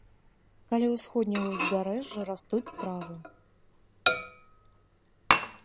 Каля ўсходняга ўзбярэжжа растуць травы.